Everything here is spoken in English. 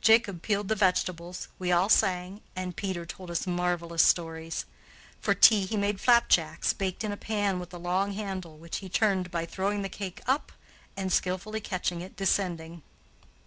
Jacob peeled the vegetables, we all sang, and Peter told us marvelous stories. For tea he made flapjacks, baked in a pan with a long handle, which he turned by throwing the cake up and skillfully catching it descending.